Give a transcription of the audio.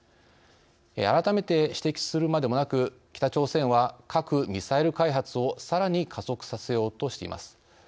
改めて指摘するまでもなく北朝鮮は、核・ミサイル開発をさらに加速させようとしています。